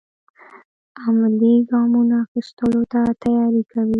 عملي ګامونو اخیستلو ته تیاری کوي.